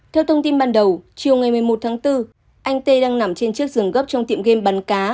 theo thông tin ban đầu chiều ngày một mươi một tháng bốn anh tê đang nằm trên chiếc giường gấp trong tiệm game bắn cá